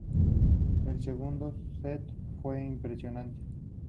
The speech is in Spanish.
El segundo set fue impresionante.